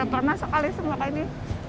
pernah sekali semua ini